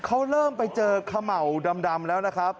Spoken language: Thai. เขาเริ่มไปเจอเขม่าวดำแล้วนะครับ